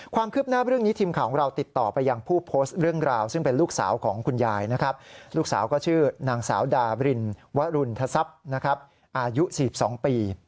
ความคืบหน้าเรื่องนี้ทีมข่าวของเราติดต่อไป